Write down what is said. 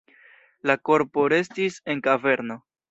La korpo restis en kaverno.